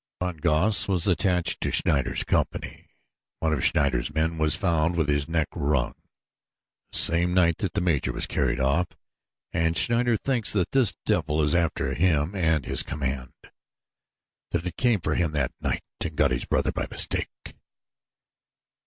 Von Goss was attached to Schneider's company. One of Schneider's men was found with his neck wrung the same night that the major was carried off and Schneider thinks that this devil is after him and his command that it came for him that night and got his brother by mistake.